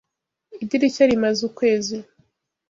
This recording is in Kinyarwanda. Idirishya rimaze ukwezi.